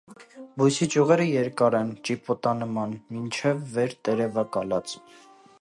Բույսի ճյուղերը երկար են՝ ճիպոտանման, մինչև վեր տերևակալած։